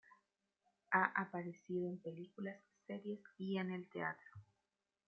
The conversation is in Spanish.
Ha aparecido en películas, series y en el teatro.